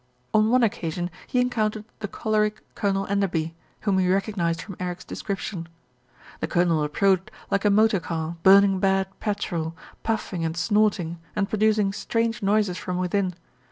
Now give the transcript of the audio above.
On one occasion he encountered the choleric Colonel Enderby, whom he recognised from Eric's description. The Colonel approached like a motor car burning bad petrol, puffing and snorting and producing strange noises from within.